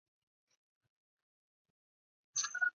常赈赡贫穷。